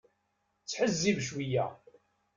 Ttḥezzib cwiya.